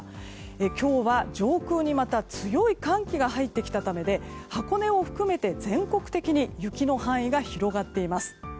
今日は上空にまた強い寒気が入ってきたためで箱根を含めて全国的に雪の範囲が広がっています。